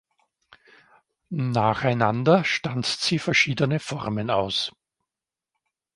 Nacheinander stanzt sie verschiedene Formen aus.